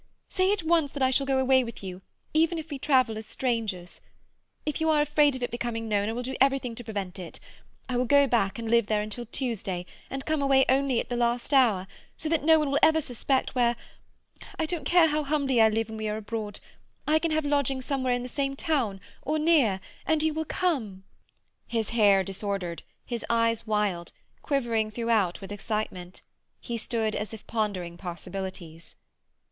Say at once that I shall go away with you, even if we travel as strangers. If you are afraid of it becoming known I will do everything to prevent it. I will go back and live there until Tuesday, and come away only at the last hour, so that no one will ever suspect where—I don't care how humbly I live when we are abroad. I can have lodgings somewhere in the same town, or near, and you will come—" His hair disordered, his eyes wild, quivering throughout with excitement, he stood as if pondering possibilities.